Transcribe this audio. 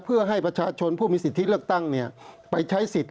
เพื่อให้ประชาชนผู้มีสิทธิเลือกตั้งไปใช้สิทธิ์